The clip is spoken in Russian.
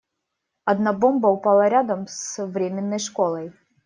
Одна бомба упала рядом с временной школой.